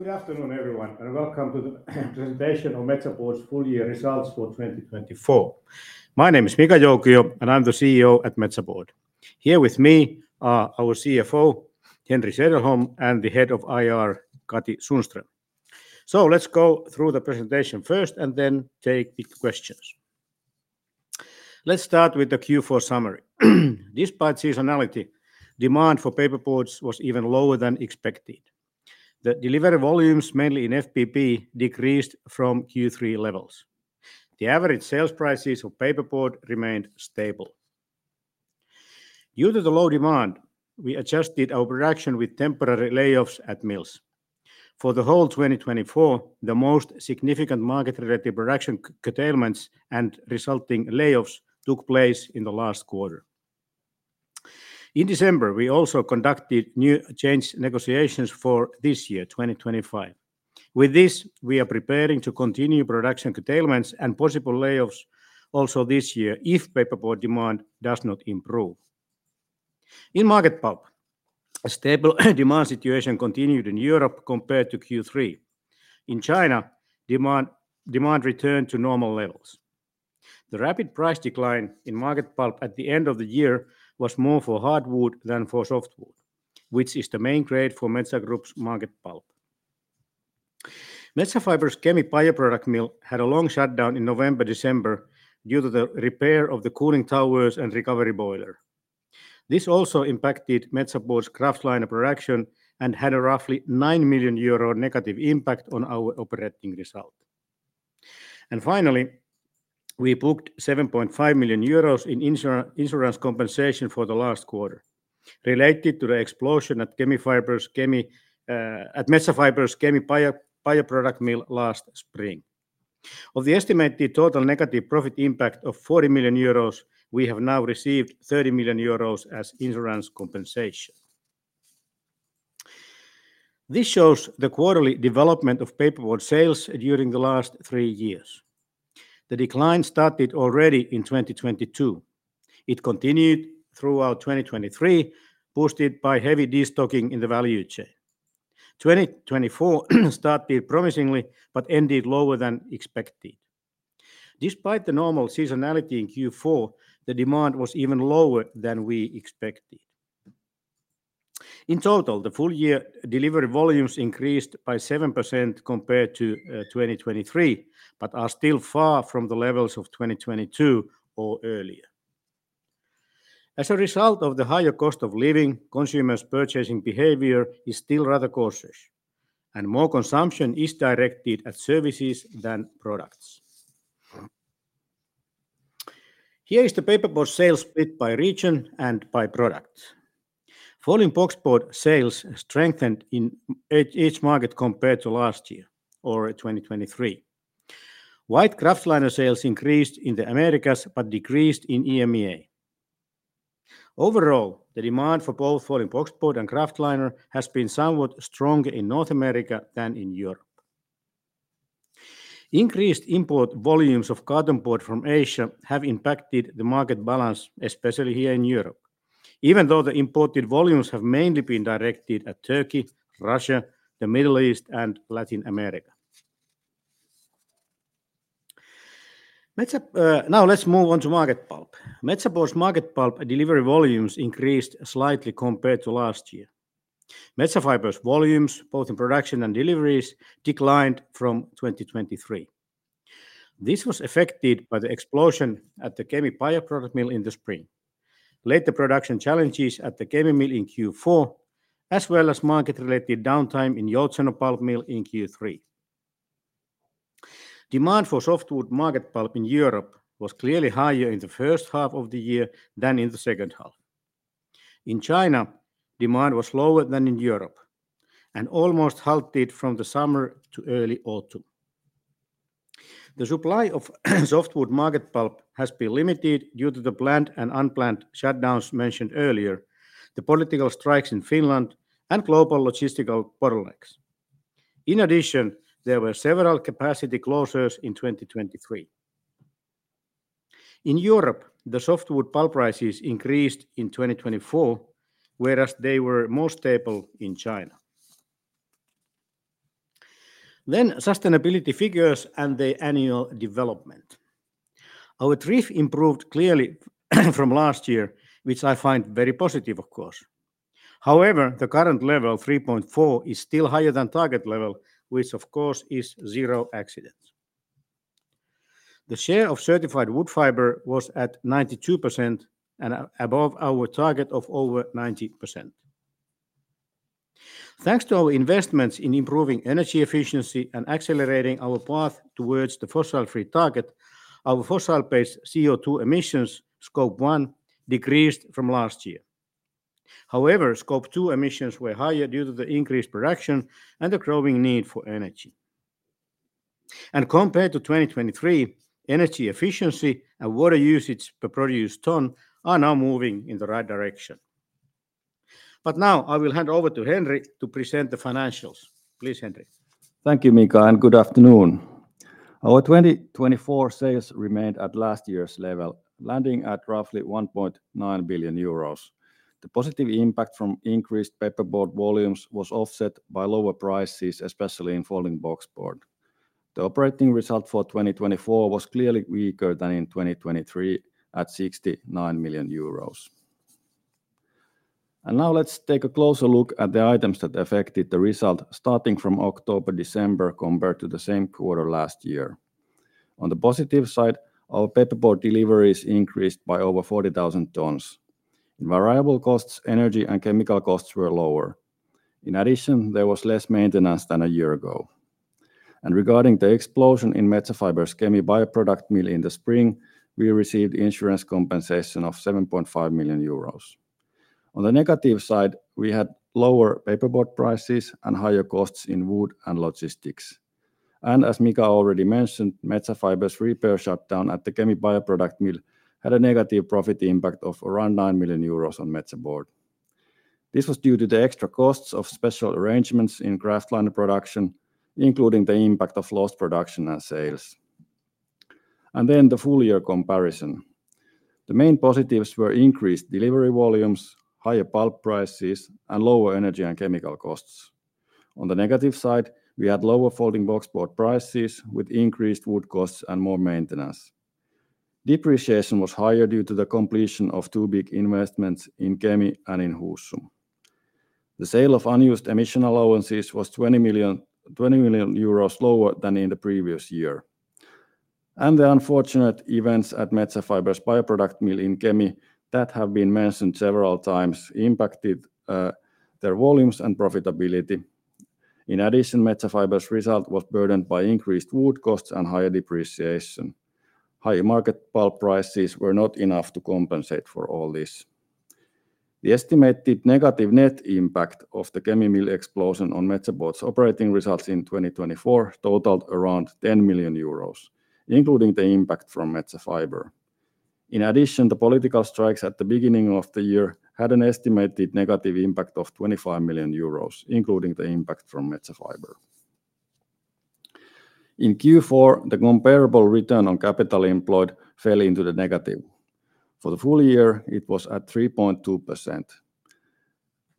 Good afternoon, everyone, and welcome to the presentation of Metsä Board's full year results for 2024. My name is Mika Joukio, and I'm the CEO at Metsä Board. Here with me are our CFO, Henri Sederholm, and the head of IR, Katri Sundström, so let's go through the presentation first and then take the questions. Let's start with the Q4 summary. Despite seasonality, demand for paperboards was even lower than expected. The delivery volumes, mainly in FBB, decreased from Q3 levels. The average sales prices of paperboard remained stable. Due to the low demand, we adjusted our production with temporary layoffs at mills. For the whole 2024, the most significant market-related production curtailments and resulting layoffs took place in the last quarter. In December, we also conducted new change negotiations for this year, 2025. With this, we are preparing to continue production curtailments and possible layoffs also this year if paperboard demand does not improve. In market pulp, a stable demand situation continued in Europe compared to Q3. In China, demand returned to normal levels. The rapid price decline in market pulp at the end of the year was more for hardwood than for softwood, which is the main grade for Metsä Group's market pulp. Metsä Fibre's Kemi bioproduct mill had a long shutdown in November-December due to the repair of the cooling towers and recovery boiler. This also impacted Metsä Board's kraftliner production and had a roughly 9 million euro negative impact on our operating result. Finally, we booked 7.5 million euros in insurance compensation for the last quarter, related to the explosion at Metsä Fibre's Kemi bioproduct mill last spring. Of the estimated total negative profit impact of 40 million euros, we have now received 30 million euros as insurance compensation. This shows the quarterly development of paperboard sales during the last three years. The decline started already in 2022. It continued throughout 2023, boosted by heavy destocking in the value chain. 2024 started promisingly but ended lower than expected. Despite the normal seasonality in Q4, the demand was even lower than we expected. In total, the full year delivery volumes increased by 7% compared to 2023, but are still far from the levels of 2022 or earlier. As a result of the higher cost of living, consumers' purchasing behavior is still rather cautious, and more consumption is directed at services than products. Here is the paperboard sales split by region and by product. Folding boxboard sales strengthened in each market compared to last year or 2023. White kraftliner sales increased in the Americas but decreased in EMEA. Overall, the demand for both folding boxboard and kraftliner has been somewhat stronger in North America than in Europe. Increased import volumes of cartonboard from Asia have impacted the market balance, especially here in Europe, even though the imported volumes have mainly been directed at Turkey, Russia, the Middle East, and Latin America. Now let's move on to market pulp. Metsä Board's market pulp delivery volumes increased slightly compared to last year. Metsä Fibre's volumes, both in production and deliveries, declined from 2023. This was affected by the explosion at the Kemi bioproduct mill in the spring, later production challenges at the Kemi mill in Q4, as well as market-related downtime in Joutseno pulp mill in Q3. Demand for softwood market pulp in Europe was clearly higher in the first half of the year than in the second half. In China, demand was lower than in Europe and almost halted from the summer to early autumn. The supply of softwood market pulp has been limited due to the planned and unplanned shutdowns mentioned earlier, the political strikes in Finland, and global logistical bottlenecks. In addition, there were several capacity closures in 2023. In Europe, the softwood pulp prices increased in 2024, whereas they were more stable in China. Then sustainability figures and the annual development. Our TRIF improved clearly from last year, which I find very positive, of course. However, the current level of 3.4 is still higher than target level, which, of course, is zero accident. The share of certified wood fiber was at 92% and above our target of over 90%. Thanks to our investments in improving energy efficiency and accelerating our path towards the fossil-free target, our fossil-based CO2 emissions, Scope 1, decreased from last year. However, Scope 2 emissions were higher due to the increased production and the growing need for energy. And compared to 2023, energy efficiency and water usage per produced ton are now moving in the right direction. But now I will hand over to Henri to present the financials. Please, Henri. Thank you, Mika, and good afternoon. Our 2024 sales remained at last year's level, landing at roughly 1.9 billion euros. The positive impact from increased paperboard volumes was offset by lower prices, especially in folding boxboard. The operating result for 2024 was clearly weaker than in 2023 at 69 million euros. And now let's take a closer look at the items that affected the result starting from October-December compared to the same quarter last year. On the positive side, our paperboard deliveries increased by over 40,000 tons. In variable costs, energy and chemical costs were lower. In addition, there was less maintenance than a year ago. And regarding the explosion in Metsä Fibre's Kemi bioproduct mill in the spring, we received insurance compensation of 7.5 million euros. On the negative side, we had lower paperboard prices and higher costs in wood and logistics. And as Mika already mentioned, Metsä Fibre's repair shutdown at the Kemi bioproduct mill had a negative profit impact of around 9 million euros on Metsä Board. This was due to the extra costs of special arrangements in kraftliner production, including the impact of lost production and sales. And then the full year comparison. The main positives were increased delivery volumes, higher pulp prices, and lower energy and chemical costs. On the negative side, we had lower folding boxboard prices with increased wood costs and more maintenance. Depreciation was higher due to the completion of two big investments in Kemi and in Husum. The sale of unused emission allowances was 20 million lower than in the previous year. And the unfortunate events at Metsä Fibre's bioproduct mill in Kemi, that have been mentioned several times, impacted their volumes and profitability. In addition, Metsä Fibre's result was burdened by increased wood costs and higher depreciation. High market pulp prices were not enough to compensate for all this. The estimated negative net impact of the Kemi mill explosion on Metsä Board's operating results in 2024 totaled around 10 million euros, including the impact from Metsä Fibre. In addition, the political strikes at the beginning of the year had an estimated negative impact of 25 million euros, including the impact from Metsä Fibre. In Q4, the comparable return on capital employed fell into the negative. For the full year, it was at 3.2%.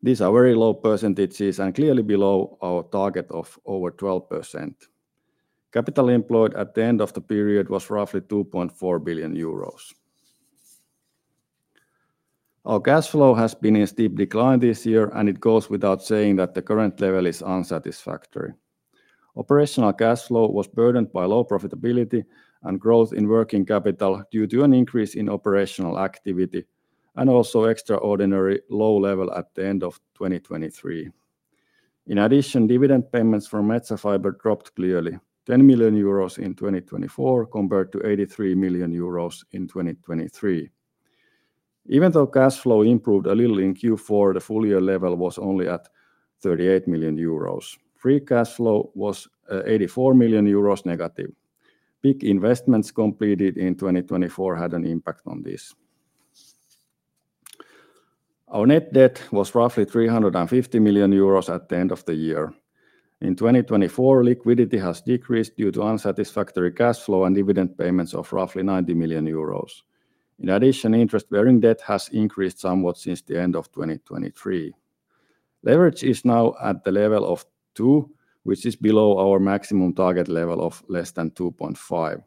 These are very low percentages and clearly below our target of over 12%. Capital employed at the end of the period was roughly 2.4 billion euros. Our cash flow has been in steep decline this year, and it goes without saying that the current level is unsatisfactory. Operational cash flow was burdened by low profitability and growth in working capital due to an increase in operational activity and also extraordinarily low level at the end of 2023. In addition, dividend payments for Metsä Fibre dropped clearly, 10 million euros in 2024 compared to 83 million euros in 2023. Even though cash flow improved a little in Q4, the full year level was only at 38 million euros. Free cash flow was 84 million euros negative. Big investments completed in 2024 had an impact on this. Our net debt was roughly 350 million euros at the end of the year. In 2024, liquidity has decreased due to unsatisfactory cash flow and dividend payments of roughly 90 million euros. In addition, interest-bearing debt has increased somewhat since the end of 2023. Leverage is now at the level of 2, which is below our maximum target level of less than 2.5.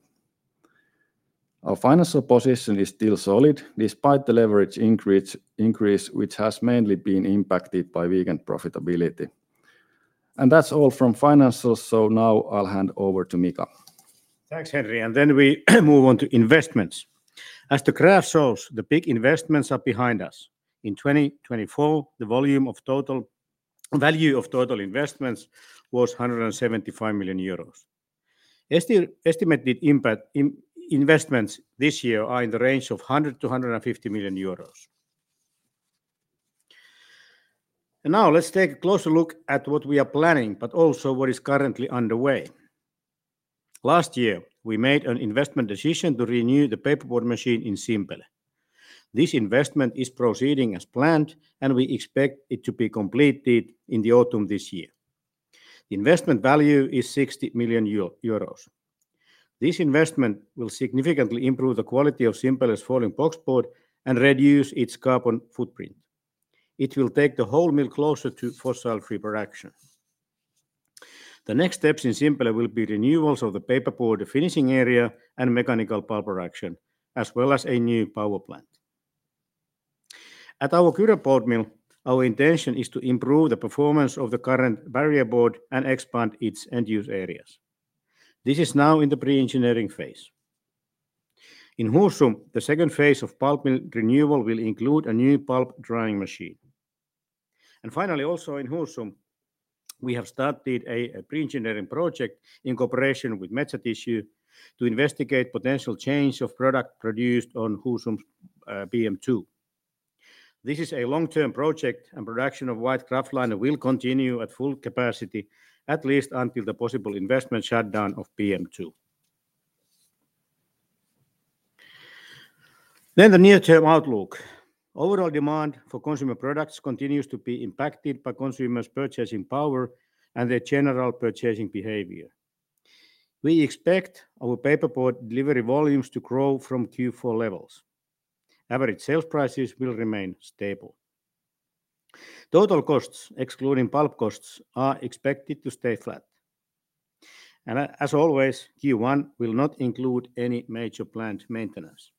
Our financial position is still solid despite the leverage increase, which has mainly been impacted by weakened profitability, and that's all from financials, so now I'll hand over to Mika. Thanks, Henri, and then we move on to investments. As the graph shows, the big investments are behind us. In 2024, the total value of total investments was 175 million euros. Estimated investments this year are in the range of 100 million-150 million euros, and now let's take a closer look at what we are planning, but also what is currently underway. Last year, we made an investment decision to renew the paperboard machine in Simpele. This investment is proceeding as planned, and we expect it to be completed in the autumn this year. The investment value is 60 million euros. This investment will significantly improve the quality of Simpele's folding boxboard and reduce its carbon footprint. It will take the whole mill closer to fossil-free production. The next steps in Simpele will be renewals of the paperboard finishing area and mechanical pulp production, as well as a new power plant. At our Kyro board mill, our intention is to improve the performance of the current barrier board and expand its end-use areas. This is now in the pre-engineering phase. In Husum, the second phase of pulp mill renewal will include a new pulp drying machine. And finally, also in Husum, we have started a pre-engineering project in cooperation with Metsä Tissue to investigate potential change of product produced on Husum's PM2. This is a long-term project, and production of white kraftliner will continue at full capacity, at least until the possible investment shutdown of PM2. Then the near-term outlook. Overall demand for consumer products continues to be impacted by consumers' purchasing power and their general purchasing behavior. We expect our paperboard delivery volumes to grow from Q4 levels. Average sales prices will remain stable. Total costs, excluding pulp costs, are expected to stay flat. As always, Q1 will not include any major plant maintenance.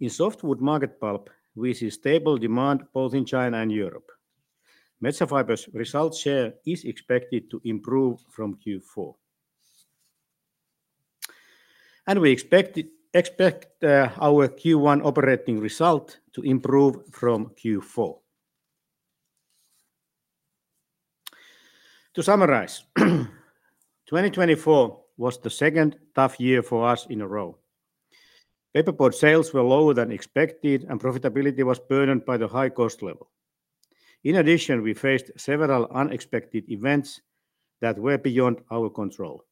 In softwood market pulp, we see stable demand both in China and Europe. Metsä Fibre's result share is expected to improve from Q4. We expect our Q1 operating result to improve from Q4. To summarize, 2024 was the second tough year for us in a row. Paperboard sales were lower than expected, and profitability was burdened by the high cost level. In addition, we faced several unexpected events that were beyond our control.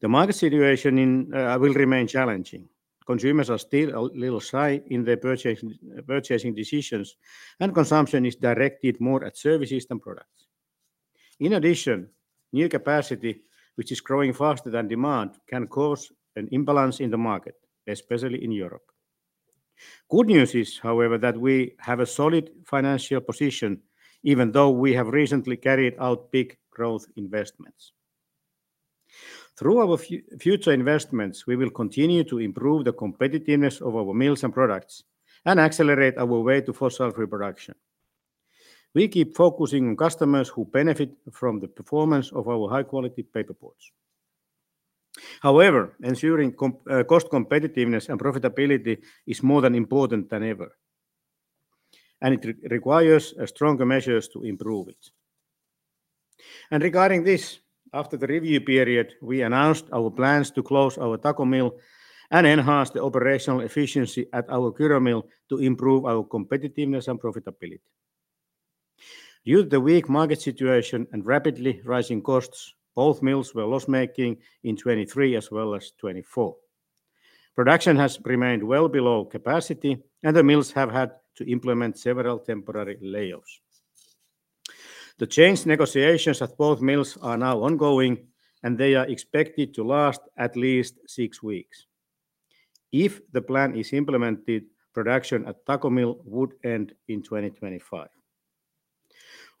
The market situation will remain challenging. Consumers are still a little shy in their purchasing decisions, and consumption is directed more at services than products. In addition, new capacity, which is growing faster than demand, can cause an imbalance in the market, especially in Europe. Good news is, however, that we have a solid financial position, even though we have recently carried out big growth investments. Through our future investments, we will continue to improve the competitiveness of our mills and products and accelerate our way to fossil-free production. We keep focusing on customers who benefit from the performance of our high-quality paperboards. However, ensuring cost competitiveness and profitability is more important than ever, and it requires stronger measures to improve it. Regarding this, after the review period, we announced our plans to close our Tako mill and enhance the operational efficiency at our Kyro mill to improve our competitiveness and profitability. Due to the weak market situation and rapidly rising costs, both mills were loss-making in 2023 as well as 2024. Production has remained well below capacity, and the mills have had to implement several temporary layoffs. The change negotiations at both mills are now ongoing, and they are expected to last at least six weeks. If the plan is implemented, production at Tako mill would end in 2025.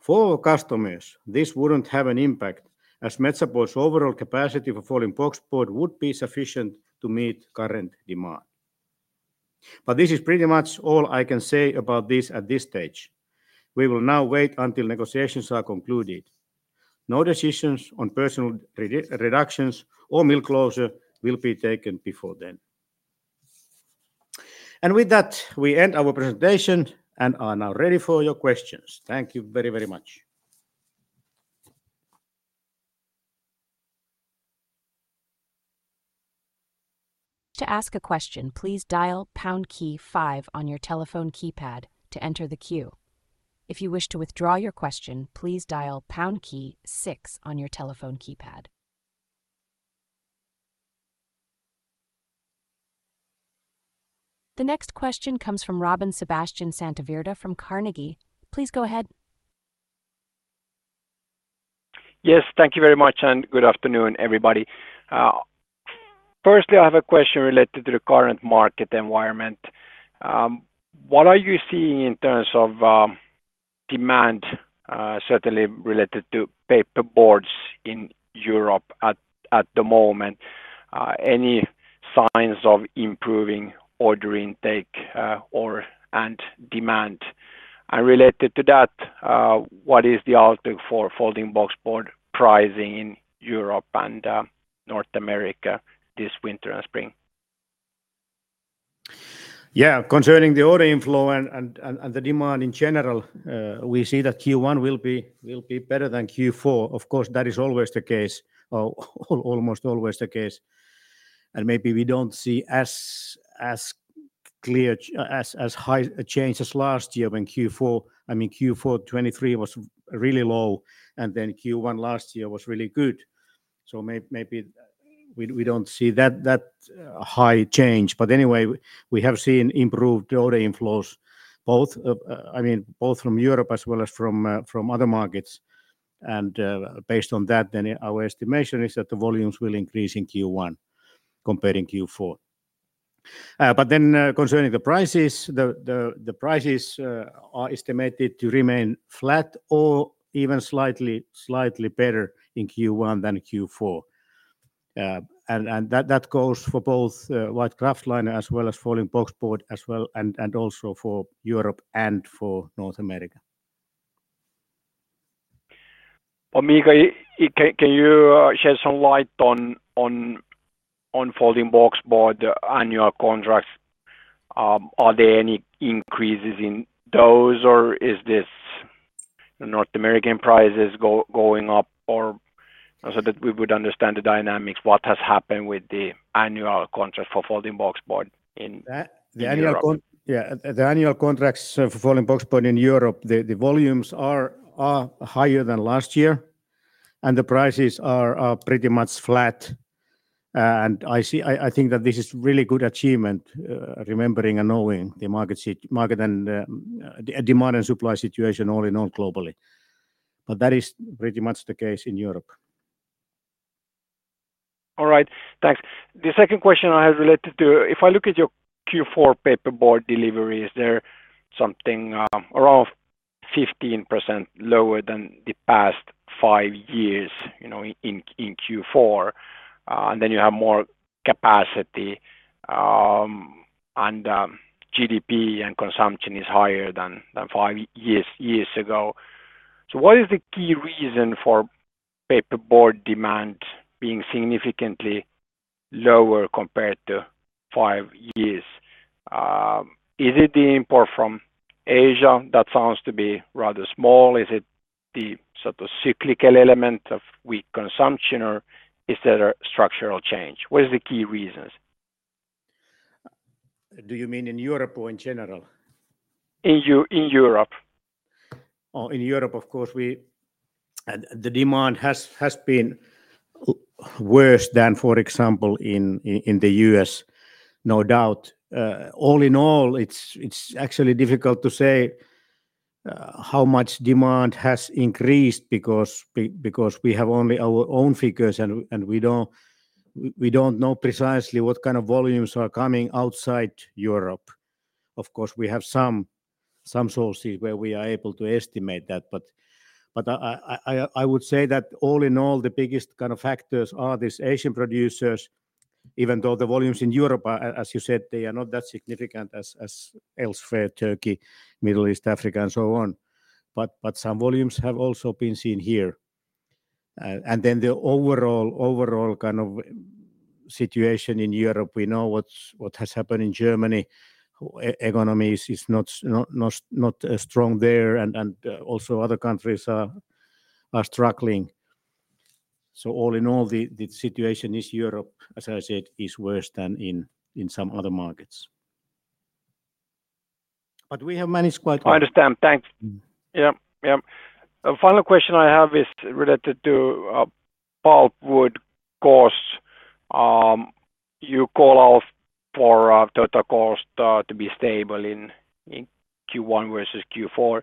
For our customers, this wouldn't have an impact, as Metsä Board's overall capacity for folding boxboard would be sufficient to meet current demand. But this is pretty much all I can say about this at this stage. We will now wait until negotiations are concluded. No decisions on personnel reductions or mill closure will be taken before then. And with that, we end our presentation and are now ready for your questions. Thank you very, very much. To ask a question, please dial pound key five on your telephone keypad to enter the queue. If you wish to withdraw your question, please dial pound key six on your telephone keypad. The next question comes from Robin Sebastian Santavirta from Carnegie. Please go ahead. Yes, thank you very much and good afternoon, everybody. Firstly, I have a question related to the current market environment. What are you seeing in terms of demand, certainly related to paperboards in Europe at the moment? Any signs of improving order intake and demand? And related to that, what is the outlook for folding boxboard pricing in Europe and North America this winter and spring? Yeah, concerning the order inflow and the demand in general, we see that Q1 will be better than Q4. Of course, that is always the case, almost always the case. And maybe we don't see as clear a change as last year when Q4, I mean, Q4 2023 was really low, and then Q1 last year was really good. So maybe we don't see that high change. But anyway, we have seen improved order inflows, I mean, both from Europe as well as from other markets. And based on that, then our estimation is that the volumes will increase in Q1 comparing Q4. But then concerning the prices, the prices are estimated to remain flat or even slightly better in Q1 than Q4. And that goes for both white kraftliner as well as folding boxboard as well, and also for Europe and for North America. Mika, can you shed some light on folding boxboard annual contracts? Are there any increases in those, or is this North American prices going up? So that we would understand the dynamics, what has happened with the annual contract for folding boxboard in Europe? The annual contracts for folding boxboard in Europe, the volumes are higher than last year, and the prices are pretty much flat. And I think that this is a really good achievement, remembering and knowing the market and demand and supply situation all in all globally. But that is pretty much the case in Europe. All right, thanks. The second question I have related to, if I look at your Q4 paperboard delivery, is there something around 15% lower than the past five years in Q4? And then you have more capacity, and GDP and consumption is higher than five years ago. So what is the key reason for paperboard demand being significantly lower compared to five years? Is it the import from Asia that sounds to be rather small? Is it the sort of cyclical element of weak consumption, or is there a structural change? What is the key reasons? Do you mean in Europe or in general? In Europe. In Europe, of course, the demand has been worse than, for example, in the U.S., no doubt. All in all, it's actually difficult to say how much demand has increased because we have only our own figures, and we don't know precisely what kind of volumes are coming outside Europe. Of course, we have some sources where we are able to estimate that, but I would say that all in all, the biggest kind of factors are these Asian producers, even though the volumes in Europe, as you said, they are not that significant as elsewhere, Turkey, Middle East, Africa, and so on, but some volumes have also been seen here, and then the overall kind of situation in Europe, we know what has happened in Germany. Economy is not strong there, and also other countries are struggling. So all in all, the situation in Europe, as I said, is worse than in some other markets. But we have managed quite well. I understand, thanks. Yeah, yeah. The final question I have is related to pulp wood costs. You call out for total cost to be stable in Q1 versus Q4.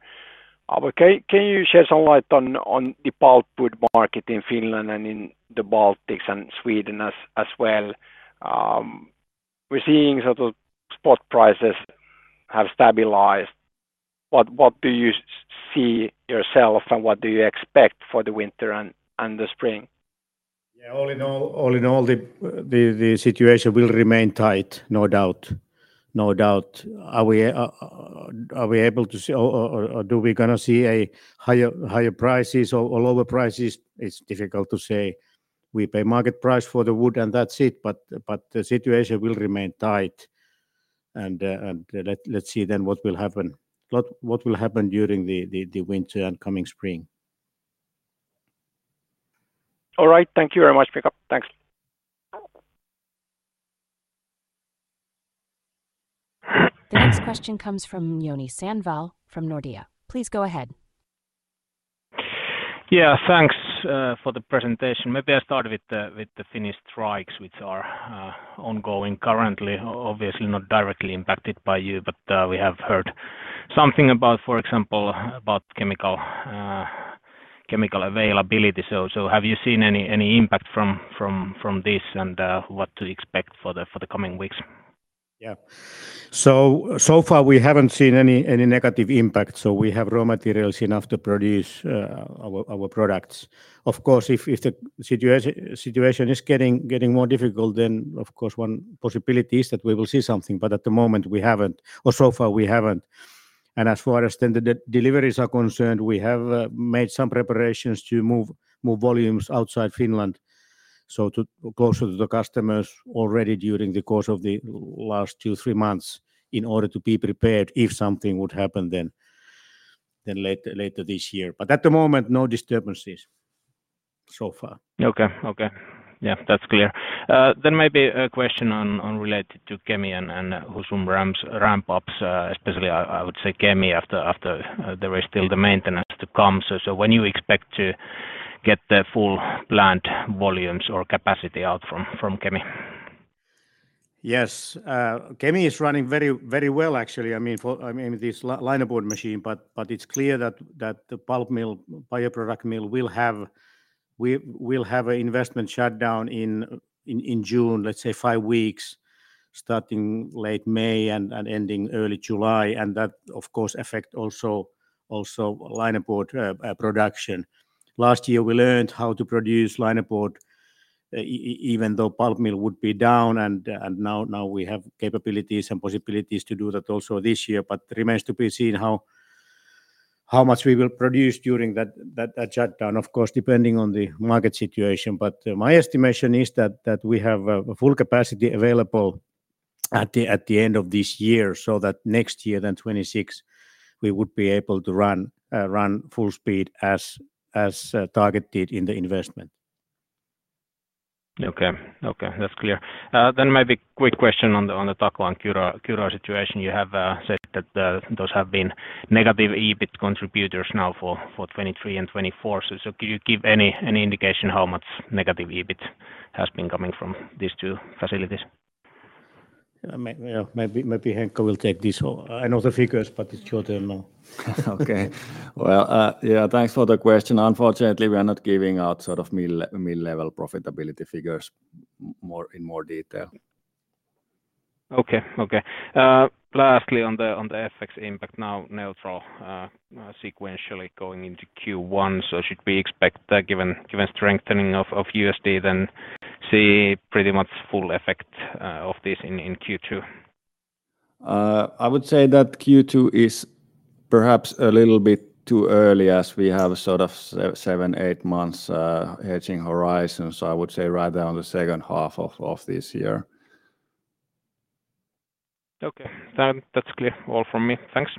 Can you shed some light on the pulp wood market in Finland and in the Baltics and Sweden as well? We're seeing sort of spot prices have stabilized. What do you see yourself, and what do you expect for the winter and the spring? Yeah, all in all, the situation will remain tight, no doubt. No doubt. Are we able to see, or do we going to see higher prices or lower prices? It's difficult to say. We pay market price for the wood, and that's it. But the situation will remain tight. And let's see then what will happen, what will happen during the winter and coming spring. All right, thank you very much, Mika. Thanks. The next question comes from Joni Sandvall from Nordea. Please go ahead. Yeah, thanks for the presentation. Maybe I start with the Finnish strikes, which are ongoing currently, obviously not directly impacted by you, but we have heard something about, for example, about chemical availability. So have you seen any impact from this and what to expect for the coming weeks? Yeah. So far, we haven't seen any negative impact. So we have raw materials enough to produce our products. Of course, if the situation is getting more difficult, then of course, one possibility is that we will see something. But at the moment, we haven't, or so far, we haven't. As far as then the deliveries are concerned, we have made some preparations to move volumes outside Finland, so closer to the customers already during the course of the last two, three months in order to be prepared if something would happen then later this year. But at the moment, no disturbances so far. Okay, okay. Yeah, that's clear. Then maybe a question related to Kemi and Husum ramp-ups, especially I would say Kemi after there is still the maintenance to come. So when you expect to get the full plant volumes or capacity out from Kemi? Yes. Kemi is running very well, actually. I mean, this linerboard machine, but it's clear that the pulp mill, bioproduct mill, will have an investment shutdown in June, let's say five weeks, starting late May and ending early July. And that, of course, affects also linerboard production. Last year, we learned how to produce linerboard, even though pulp mill would be down. And now we have capabilities and possibilities to do that also this year. But it remains to be seen how much we will produce during that shutdown, of course, depending on the market situation. But my estimation is that we have full capacity available at the end of this year, so that next year then 2026, we would be able to run full speed as targeted in the investment. Okay, okay. That's clear. Then maybe a quick question on the Tako-Kyro situation. You have said that those have been negative EBIT contributors now for 2023 and 2024. So could you give any indication how much negative EBIT has been coming from these two facilities? Maybe Henri will take this or other figures, but it's short term. Okay. Well, yeah, thanks for the question. Unfortunately, we are not giving out sort of mill-level profitability figures in more detail. Okay, okay. Lastly, on the FX impact, now neutral sequentially going into Q1. So should we expect that given strengthening of USD, then see pretty much full effect of this in Q2? I would say that Q2 is perhaps a little bit too early as we have sort of seven, eight months hedging horizon, so I would say rather on the second half of this year. Okay. That's clear all from me. Thanks.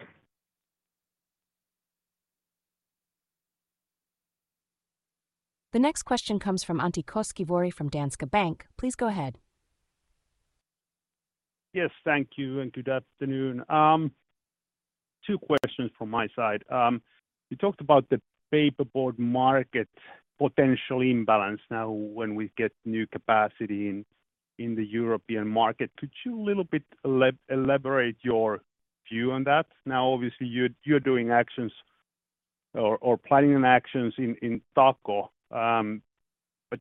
The next question comes from Antti Koskivuori from Danske Bank. Please go ahead. Yes, thank you and good afternoon. Two questions from my side. You talked about the paperboard market potential imbalance now when we get new capacity in the European market. Could you a little bit elaborate your view on that? Now, obviously, you're doing actions or planning on actions in Tako. But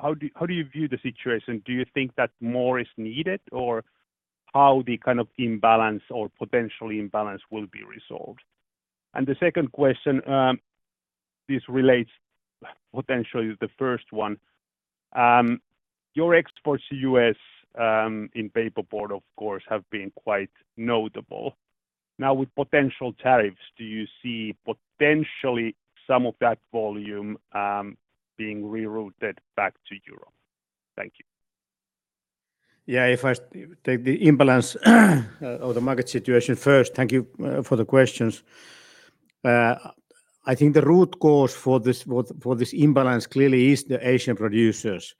how do you view the situation? Do you think that more is needed or how the kind of imbalance or potential imbalance will be resolved? And the second question, this relates potentially to the first one. Your exports to U.S. in paperboard, of course, have been quite notable. Now, with potential tariffs, do you see potentially some of that volume being rerouted back to Europe? Thank you. Yeah, if I take the imbalance of the market situation first, thank you for the questions. I think the root cause for this imbalance clearly is the Asian producers.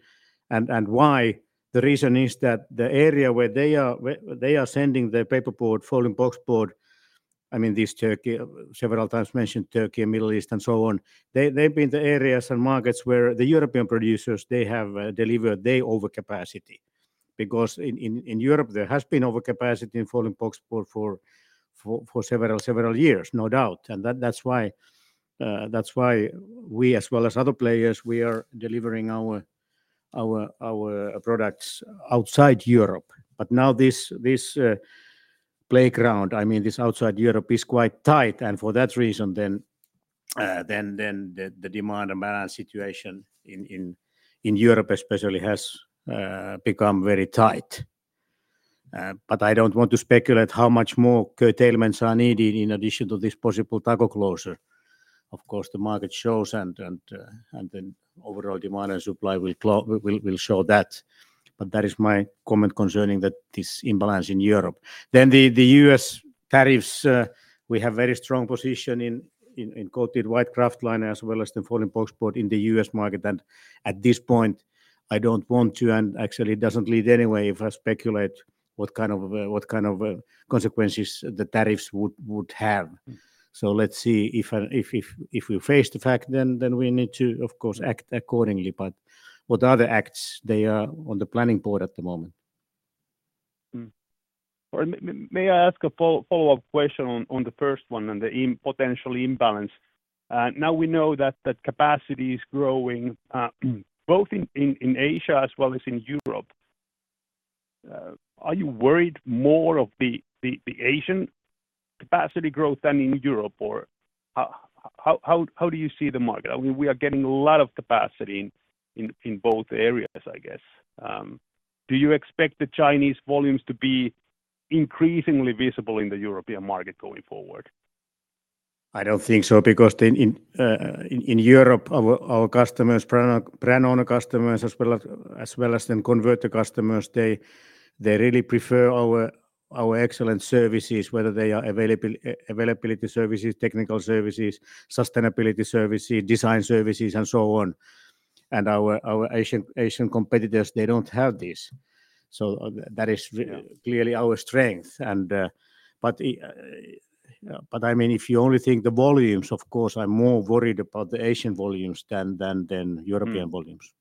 And why? The reason is that the area where they are sending the paperboard, folding boxboard, I mean, this Turkey, several times mentioned Turkey, Middle East, and so on, they've been the areas and markets where the European producers, they have delivered their overcapacity. Because in Europe, there has been overcapacity in folding boxboard for several, several years, no doubt. And that's why we, as well as other players, we are delivering our products outside Europe. But now this playground, I mean, this outside Europe is quite tight. And for that reason, then the demand and balance situation in Europe, especially, has become very tight. But I don't want to speculate how much more curtailments are needed in addition to this possible Tako closure. Of course, the market shows and then overall demand and supply will show that. But that is my comment concerning this imbalance in Europe. Then the U.S. tariffs, we have a very strong position in coated white kraftliner as well as the folding boxboard in the U.S. market. And at this point, I don't want to, and actually it doesn't lead anywhere if I speculate what kind of consequences the tariffs would have. So let's see if we face the fact, then we need to, of course, act accordingly. But what other acts they are on the planning board at the moment. May I ask a follow-up question on the first one and the potential imbalance? Now we know that capacity is growing both in Asia as well as in Europe. Are you worried more of the Asian capacity growth than in Europe? Or how do you see the market? I mean, we are getting a lot of capacity in both areas, I guess. Do you expect the Chinese volumes to be increasingly visible in the European market going forward? I don't think so because in Europe, our customers, brand-owner customers, as well as then converter customers, they really prefer our excellent services, whether they are availability services, technical services, sustainability services, design services, and so on. And our Asian competitors, they don't have this. So that is clearly our strength. But I mean, if you only think the volumes, of course, I'm more worried about the Asian volumes than European volumes.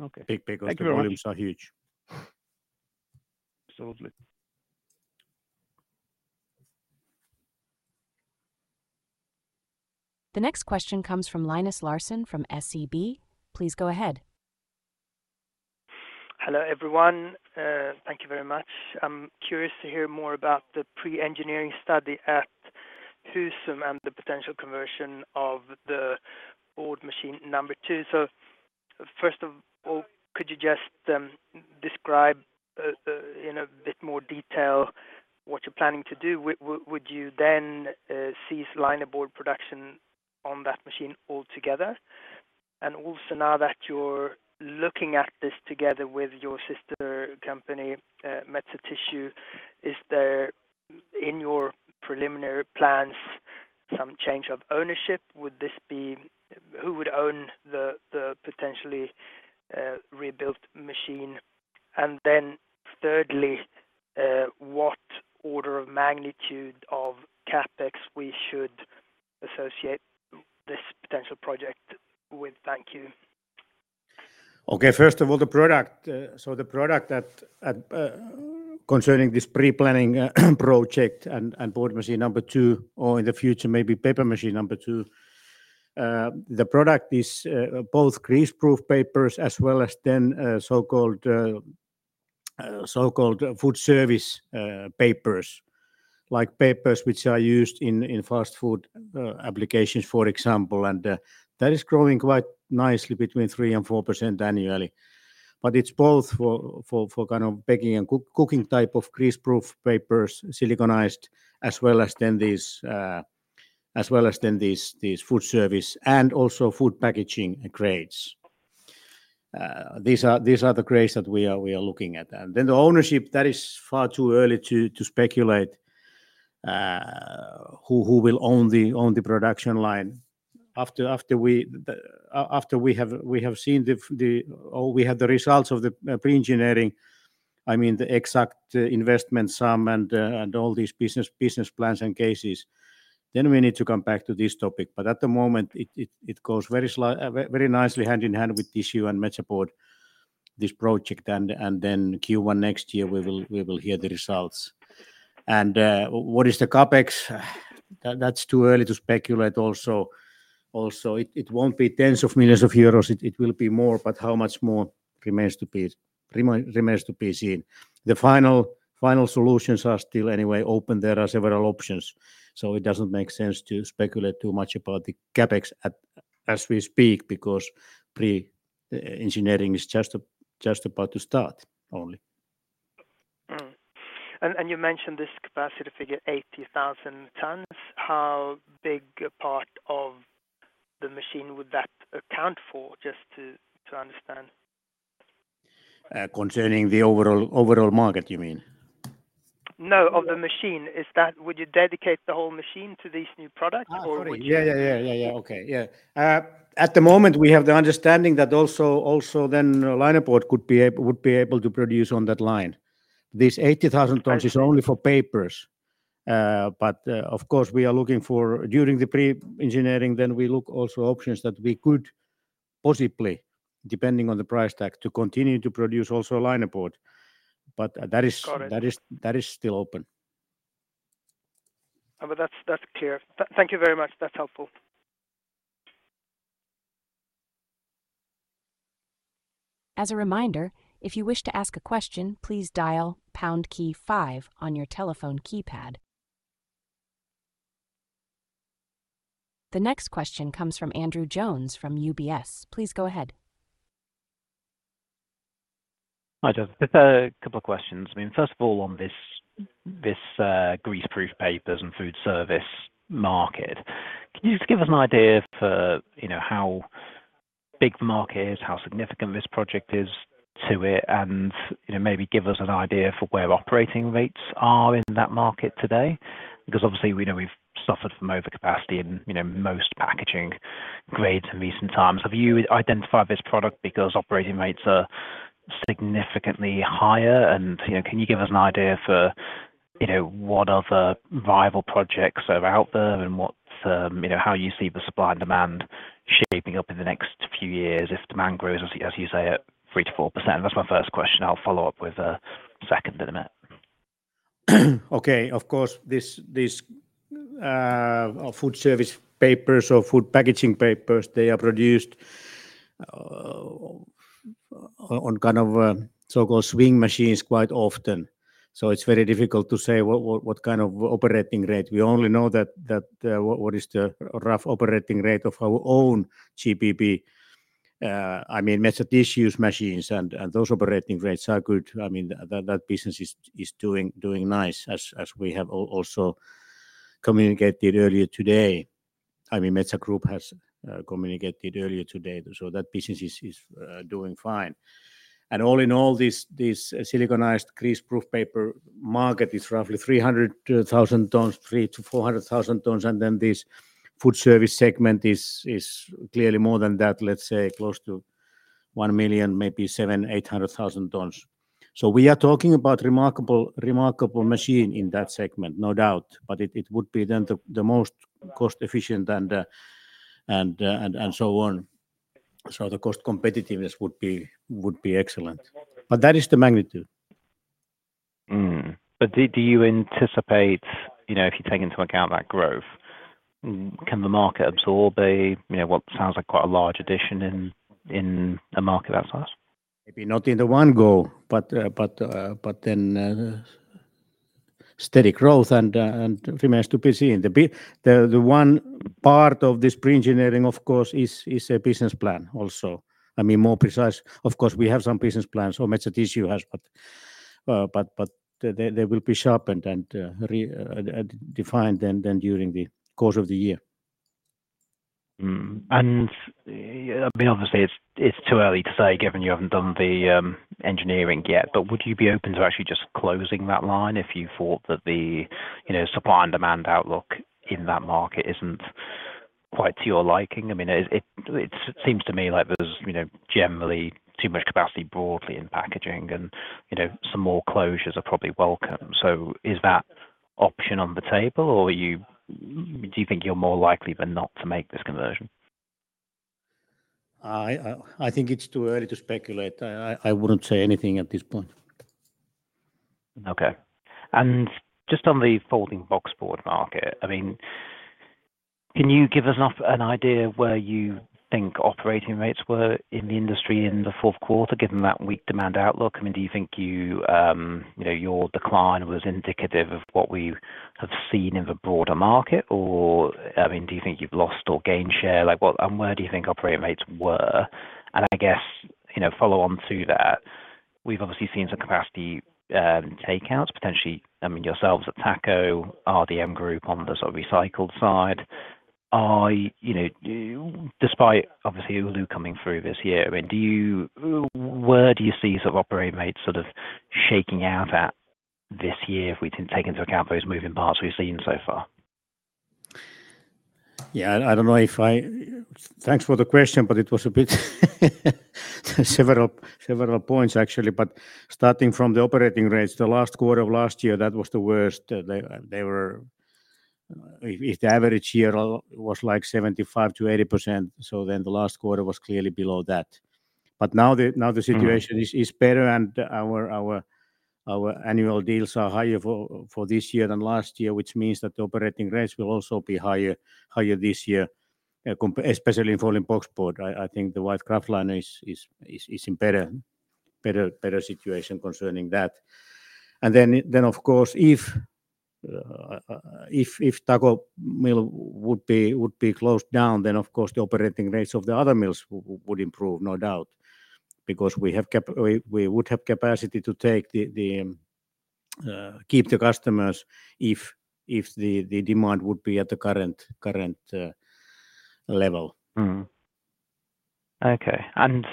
Okay. Big, big volumes are huge. Absolutely. The next question comes from Linus Larsson from SEB. Please go ahead. Hello everyone. Thank you very much. I'm curious to hear more about the pre-engineering study at Husum and the potential conversion of the board machine number two. So first of all, could you just describe in a bit more detail what you're planning to do? Would you then cease linerboard production on that machine altogether? And also now that you're looking at this together with your sister company Metsä Tissue, is there in your preliminary plans some change of ownership? Would this be who would own the potentially rebuilt machine? And then thirdly, what order of magnitude of CapEx we should associate this potential project with? Thank you. Okay, first of all, the product. So the product concerning this pre-engineering project and board machine number two, or in the future maybe paper machine number two, the product is both greaseproof papers as well as then so-called food service papers, like papers which are used in fast food applications, for example. And that is growing quite nicely between 3%-4% annually. But it's both for kind of baking and cooking type of greaseproof papers, siliconized, as well as then these food service and also food packaging grades. These are the grades that we are looking at. And then the ownership, that is far too early to speculate who will own the production line. After we have seen the results of the pre-engineering, I mean, the exact investment sum and all these business plans and cases, then we need to come back to this topic. But at the moment, it goes very nicely hand in hand with Metsä Tissue and Metsä Board, this project. And then Q1 next year, we will hear the results. And what is the CapEx? That's too early to speculate also. It won't be tens of millions of euros. It will be more, but how much more remains to be seen. The final solutions are still anyway open. There are several options. So it doesn't make sense to speculate too much about the CapEx as we speak because pre-engineering is just about to start only. You mentioned this capacity figure, 80,000 tons. How big a part of the machine would that account for, just to understand? Concerning the overall market, you mean? No, off the machine. Would you dedicate the whole machine to these new products or would you? Yeah, okay. Yeah. At the moment, we have the understanding that also then linerboard would be able to produce on that line. This 80,000 tons is only for papers. But of course, we are looking for during the pre-engineering, then we look also options that we could possibly, depending on the price tag, to continue to produce also linerboard. But that is still open. That's clear. Thank you very much. That's helpful. As a reminder, if you wish to ask a question, please dial pound key five on your telephone keypad. The next question comes from Andrew Jones from UBS. Please go ahead. Hi, Mika. Just a couple of questions. I mean, first of all, on this grease-proof papers and food service market, can you just give us an idea of how big the market is, how significant this project is to it, and maybe give us an idea for where operating rates are in that market today? Because obviously, we've suffered from overcapacity in most packaging grades in recent times. Have you identified this product because operating rates are significantly higher? And can you give us an idea for what other viable projects are out there and how you see the supply and demand shaping up in the next few years if demand grows, as you say, at 3%-4%? That's my first question. I'll follow up with a second in a minute. Okay. Of course, these food service papers or food packaging papers, they are produced on kind of so-called swing machines quite often. So it's very difficult to say what kind of operating rate. We only know that what is the rough operating rate of our own GPP, I mean, Metsä Tissue's machines, and those operating rates are good. I mean, that business is doing nice, as we have also communicated earlier today. I mean, Metsä Group has communicated earlier today. So that business is doing fine. And all in all, this siliconized greaseproof paper market is roughly 300,000 tons, 300,000-400,000 tons. And then this food service segment is clearly more than that, let's say, close to 1 million, maybe 7,800,000 tons. So we are talking about a remarkable machine in that segment, no doubt. But it would be then the most cost-efficient and so on. So the cost competitiveness would be excellent. But that is the magnitude. But do you anticipate, if you take into account that growth, can the market absorb what sounds like quite a large addition in a market outside? Maybe not in the one go, but then steady growth and remains to be seen. The one part of this pre-engineering, of course, is a business plan also. I mean, more precise, of course, we have some business plans or Metsä Tissue has, but they will be sharpened and defined then during the course of the year. I mean, obviously, it's too early to say given you haven't done the engineering yet. Would you be open to actually just closing that line if you thought that the supply and demand outlook in that market isn't quite to your liking? I mean, it seems to me like there's generally too much capacity broadly in packaging, and some more closures are probably welcome. Is that option on the table, or do you think you're more likely than not to make this conversion? I think it's too early to speculate. I wouldn't say anything at this point. Okay. And just on the folding boxboard market, I mean, can you give us an idea of where you think operating rates were in the industry in the fourth quarter, given that weak demand outlook? I mean, do you think your decline was indicative of what we have seen in the broader market? Or I mean, do you think you've lost or gained share? And where do you think operating rates were? And I guess follow on to that, we've obviously seen some capacity takeouts, potentially, I mean, yourselves at Tako, RDM Group on the sort of recycled side. Despite, obviously, Oulu coming through this year, I mean, where do you see sort of operating rates sort of shaking out at this year if we take into account those moving parts we've seen so far? Yeah, thanks for the question, but it was a bit several points, actually. But starting from the operating rates, the last quarter of last year, that was the worst. If the average year was like 75%-80%, so then the last quarter was clearly below that. But now the situation is better, and our annual deals are higher for this year than last year, which means that the operating rates will also be higher this year, especially in folding boxboard. I think the white kraftliner is in a better situation concerning that. And then, of course, if Tako mill would be closed down, then, of course, the operating rates of the other mills would improve, no doubt, because we would have capacity to keep the customers if the demand would be at the current level. Okay. And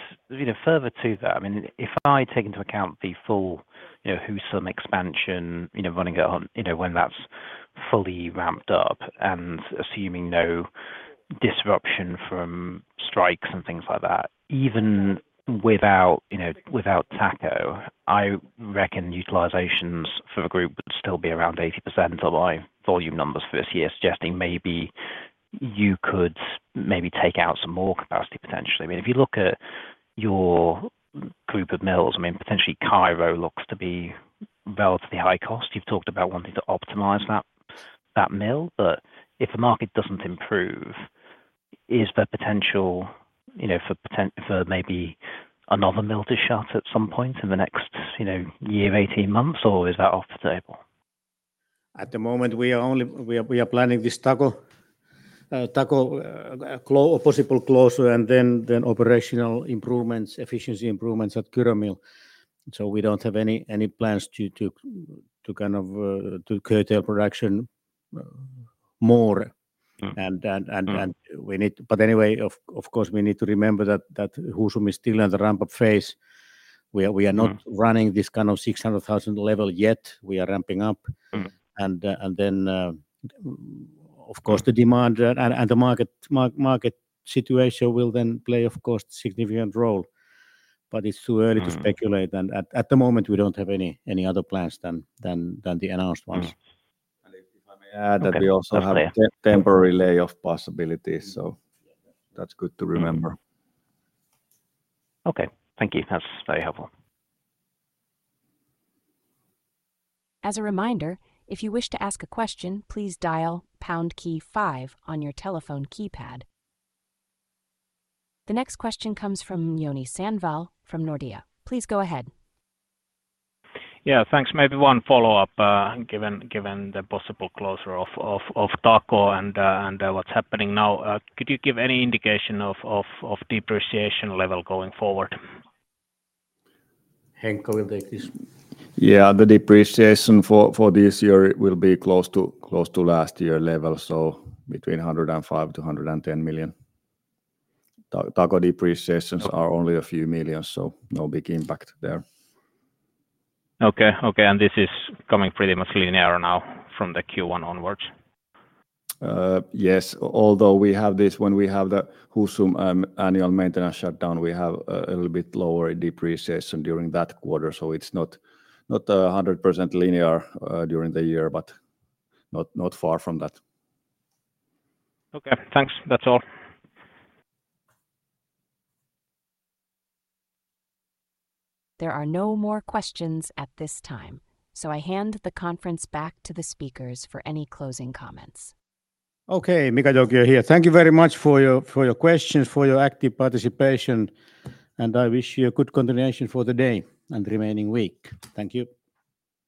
further to that, I mean, if I take into account the full Husum expansion running when that's fully ramped up and assuming no disruption from strikes and things like that, even without Tako, I reckon utilizations for the group would still be around 80% of my volume numbers for this year, suggesting maybe you could maybe take out some more capacity potentially. I mean, if you look at your group of mills, I mean, potentially Kyro looks to be relatively high cost. You've talked about wanting to optimize that mill. But if the market doesn't improve, is there potential for maybe another mill to shut at some point in the next year, 18 months, or is that off the table? At the moment, we are planning this Tako possible closure and then operational improvements, efficiency improvements at Kyro mill. So we don't have any plans to kind of curtail production more, and we need but anyway, of course, we need to remember that Husum is still in the ramp-up phase. We are not running this kind of 600,000 level yet. We are ramping up, and then, of course, the demand and the market situation will then play, of course, a significant role, but it's too early to speculate. And at the moment, we don't have any other plans than the announced ones, and if I may add that we also have a temporary layoff possibility, so that's good to remember. Okay. Thank you. That's very helpful. As a reminder, if you wish to ask a question, please dial pound key five on your telephone keypad. The next question comes from Joni Sandvall from Nordea. Please go ahead. Yeah, thanks. Maybe one follow-up given the possible closure of Tako and what's happening now. Could you give any indication of depreciation level going forward? Henri will take this. Yeah, the depreciation for this year will be close to last year level, so between 105 million-110 million. Tako depreciations are only a few millions, so no big impact there. Okay. Okay. And this is coming pretty much linearly now from the Q1 onward? Yes. Although we have this, when we have the Husum annual maintenance shutdown, we have a little bit lower depreciation during that quarter. So it's not 100% linear during the year, but not far from that. Okay. Thanks. That's all. There are no more questions at this time, so I hand the conference back to the speakers for any closing comments. Okay. Mika Joukio here. Thank you very much for your questions, for your active participation. I wish you a good continuation for the day and remaining week. Thank you.